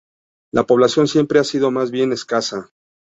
La población siempre ha sido más bien escasa.